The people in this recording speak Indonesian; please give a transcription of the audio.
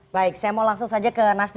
baik saya mau langsung saja ke nasdem